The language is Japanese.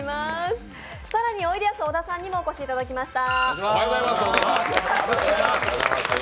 更においでやす小田さんにもお越しいただきました。